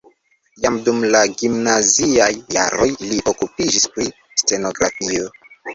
Jam dum la gimnaziaj jaroj li okupiĝis pri stenografio.